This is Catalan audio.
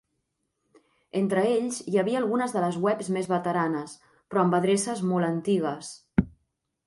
Entre ells hi havia algunes de les webs més veteranes, però amb adreces molt antigues.